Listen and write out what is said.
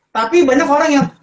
tapi banyak orang yang